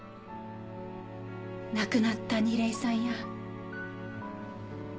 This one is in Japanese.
亡くなった楡井さんや。